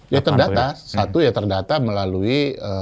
ya terdata satu ya terdata melalui